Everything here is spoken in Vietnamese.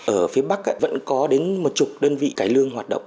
ở phía bắc vẫn có đến một chục đơn vị cải lương hoạt động